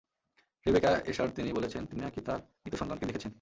Rebecca এশার তিনি বলেছেন তিনি নাকি তার মৃত সন্তানকে দেখেছেন!